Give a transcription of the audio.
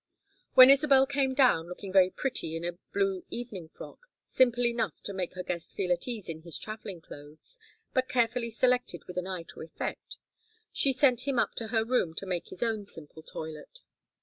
When Isabel came down, looking very pretty in a blue evening frock, simple enough to make her guest feel at ease in his travelling clothes, but carefully selected with an eye to effect, she sent him up to her room to make his own simple toilet.